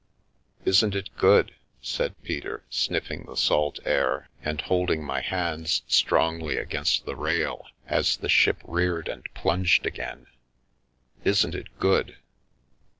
" Isn't it good ?" said Peter, sniffing the salt air, and holding my hands strongly against the rail, as the ship reared and plunged again, " isn't it good